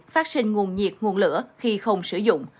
phát sinh nguồn nhiệt nguồn lửa khi không sử dụng